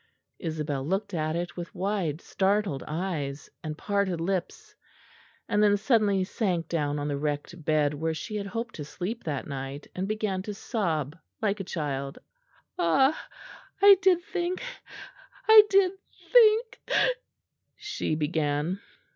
Isabel looked at it all with wide startled eyes and parted lips; and then suddenly sank down on the wrecked bed where she had hoped to sleep that night, and began to sob like a child. "Ah! I did think I did think " she began.